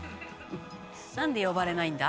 「なんで呼ばれないんだ？」